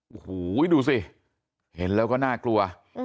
โอ้โหดูสิเห็นแล้วก็น่ากลัว